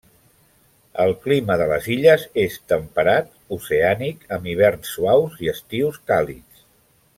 El clima de les illes és temperat oceànic, amb hiverns suaus i estius càlids.